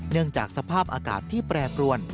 จากสภาพอากาศที่แปรปรวน